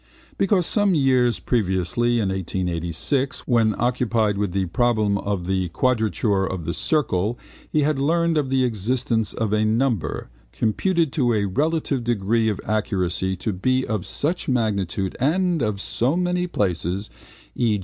Because some years previously in 1886 when occupied with the problem of the quadrature of the circle he had learned of the existence of a number computed to a relative degree of accuracy to be of such magnitude and of so many places, e.